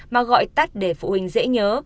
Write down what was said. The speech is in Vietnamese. mà gọi tắt để phụ huynh dễ nhớ